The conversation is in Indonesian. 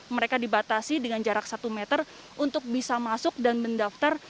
mereka dibatasi dengan jarak satu meter untuk bisa masuk dan mendaftar